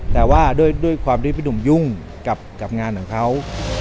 แต่ว่าด้วยความที่พี่หนุ่มยุ่งกับงานของเขา